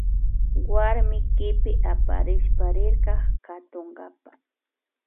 Warmi kipita aparishpa rirka katunkapa